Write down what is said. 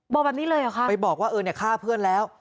บอกแบบนี้เลยเหรอคะไปบอกว่าเออเนี่ยฆ่าเพื่อนแล้ว